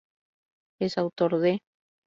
Es autor de